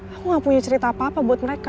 aku gak punya cerita apa apa buat mereka